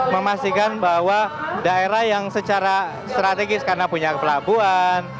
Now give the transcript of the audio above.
memastikan bahwa daerah yang secara strategis karena punya pelabuhan